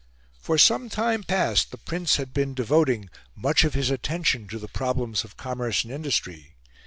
For some time past the Prince had been devoting much of his attention to the problems of commerce and industry.